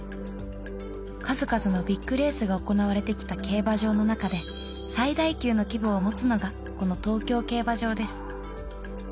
数々のビッグレースが行われてきた競馬場の中で最大級の規模を持つのがこの東京競馬場です